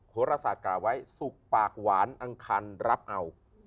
โหรศาสกล่าไว้สุกปากหวานอังคารรับเอา